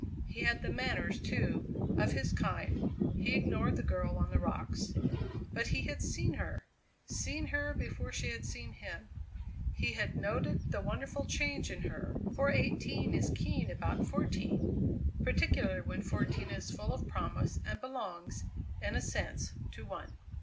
He had the manners, too, of his kind he ignored the girl on the rocks. But he had seen her; seen her before she had seen him. He had noted the wonderful change in her, for eighteen is keen about fourteen, particularly when fourteen is full of promise and belongs, in a sense, to one.